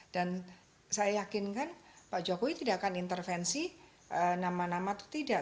dan saya yakinkan pak jokowi tidak akan intervensi nama nama itu tidak